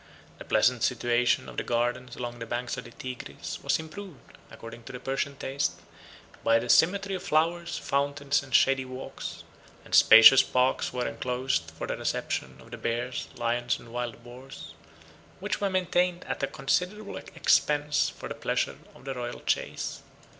The pleasant situation of the gardens along the banks of the Tigris, was improved, according to the Persian taste, by the symmetry of flowers, fountains, and shady walks: and spacious parks were enclosed for the reception of the bears, lions, and wild boars, which were maintained at a considerable expense for the pleasure of the royal chase.